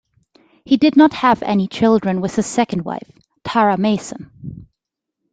He did not have any children with his second wife, Tara Mason.